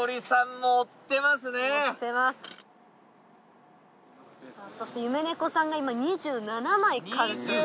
さあそして夢猫さんが今２７枚完食。